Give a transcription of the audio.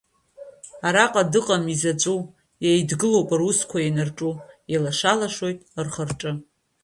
Араҟа дыҟам изаҵәу, еидгылоуп русқәа ианырҿу, илаша-лашоит рхы-рҿы.